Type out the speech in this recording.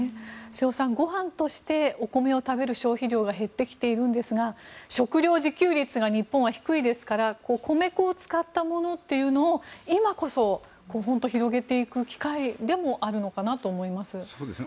瀬尾さん、ご飯としてお米を食べる消費量が減ってきているんですが食料自給率が日本は低いですから米粉を使ったものというのを今こそ本当に広げていく機会でもあるのかなと思います。